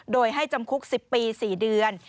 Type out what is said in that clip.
โดยให้จำคุก๑๐ปี๔เดือน